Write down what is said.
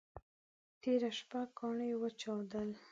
تېره شپه ګاڼي وچودل.